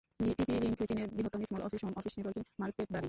TP-Link চীনের বৃহত্তম small office home office networking মার্কেটধারী।